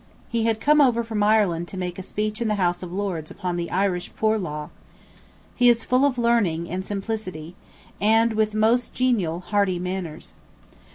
He had come over from Ireland to make a speech in the House of Lords upon the Irish Poor Law. He is full of learning [and] simplicity, and with most genial hearty manners.